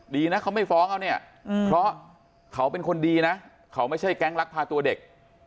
ดีนะเขาไม่ฟ้องเอาเนี่ยเพราะเขาเป็นคนดีนะเขาไม่ใช่แก๊งลักพาตัวเด็ก